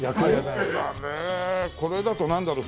これだとなんだろう？